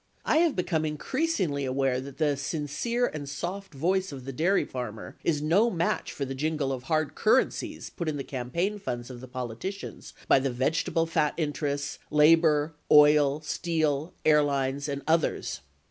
I have become increasingly aware that the sincere and soft voice of the dairy farmer is no match for the jingle of hard currencies put in the campaign funds of the politicians by the vegetable fat interests, labor, oil, steel, airlines, and others